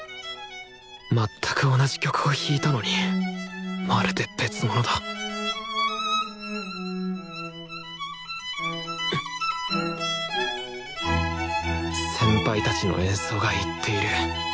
全く同じ曲を弾いたのにまるで別物だ先輩たちの演奏が言っている。